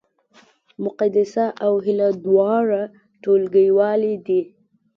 مقدسه او هیله دواړه ټولګیوالې دي